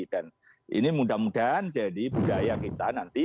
dan ini mudah mudahan jadi budaya kita nanti